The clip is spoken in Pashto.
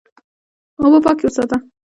اوبه پاکې وساته.